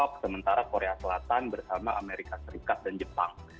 kita memang tapi masih memang memang tetapi seperti apa sih